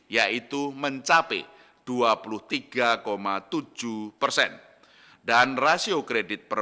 yaitu mencapai dua lima miliar dolar